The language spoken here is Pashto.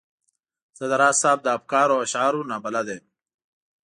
زه د راز صاحب له افکارو او اشعارو نا بلده وم.